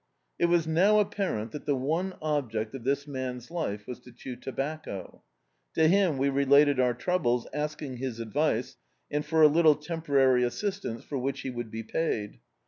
It was now apparent that the one object of this man's life was to chew tobacco. To him we related our troubles, asking his advice, and for a little temporary assistance, for which he would be paid.